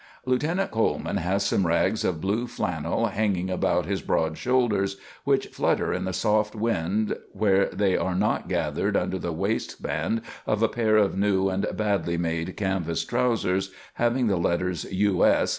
Lieutenant Coleman has some rags of blue flannel hanging about his broad shoulders, which flutter in the soft wind where they are not gathered under the waistband of a pair of new and badly made canvas trousers having the letters "U.S."